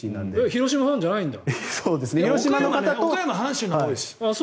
広島ファンじゃないんだ。